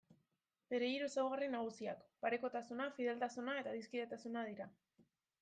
Bere hiru ezaugarri nagusiak: parekotasuna, fideltasuna eta adiskidetasuna dira.